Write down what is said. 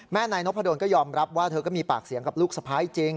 นายนพดลก็ยอมรับว่าเธอก็มีปากเสียงกับลูกสะพ้ายจริง